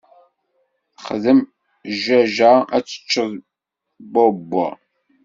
Xdem jajja, ad tteččeḍ bwabbwa!